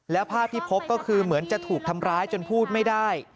แล้วภาพที่พบก็คือเหมือนจะถูกทำร้ายจนพูดไม่ได้